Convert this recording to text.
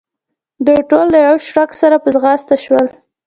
دوی ټول د یوه شړک سره په ځغاسته شول.